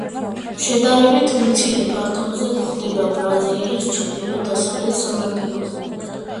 შედარებით მცირე ფართობზე გვხვდება ბრაზილიის ჩრდილო-დასავლეთ სანაპიროზე.